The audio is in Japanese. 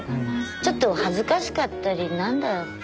ちょっと恥ずかしかったり何だろう。